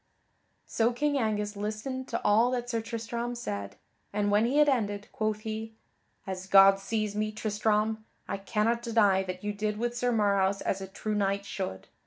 So King Angus listened to all that Sir Tristram said, and when he had ended, quoth he: "As God sees me, Tristram, I cannot deny that you did with Sir Marhaus as a true knight should.